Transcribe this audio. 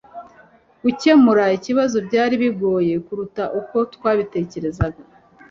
gukemura ikibazo byari bigoye kuruta uko twabitekerezaga